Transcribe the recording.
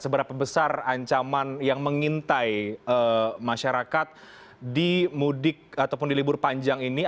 seberapa besar ancaman yang mengintai masyarakat di mudik atau dikendalikan